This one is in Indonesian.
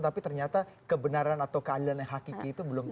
tapi ternyata kebenaran atau keadilan yang hakiki itu belum